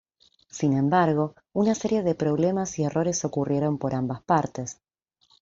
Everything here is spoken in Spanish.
Sin embargo, una serie de problemas y errores ocurrieron por ambas partes.